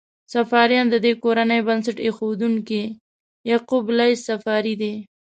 صفاریان: د دې کورنۍ بنسټ ایښودونکی یعقوب لیث صفاري دی.